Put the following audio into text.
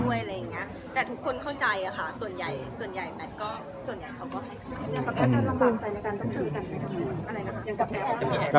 มันคุยมากมันเรียกไม่ได้